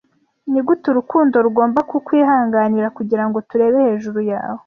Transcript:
Nigute urukundo rugomba kukwihanganira, kugirango turebe hejuru yawe